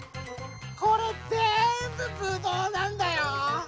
これぜんぶぶどうなんだよ。